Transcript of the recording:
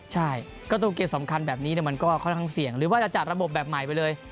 ใช่ประตูเกมสำคัญแบบนี้มันก็ค่อนข้างเสี่ยงหรือว่าจะจัดระบบแบบใหม่ไปเลย